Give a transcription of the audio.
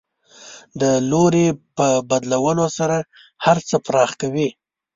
د لوري په بدلولو سره هر څه پراخ کوي.